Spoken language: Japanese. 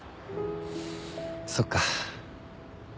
そっか。